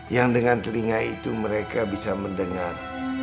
yang dengan telinga itu mereka bisa mendengar